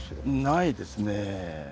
ないですねぇ。